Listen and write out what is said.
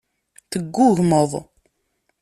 Teggugmeḍ.